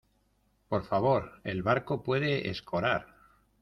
por favor. el barco puede escorar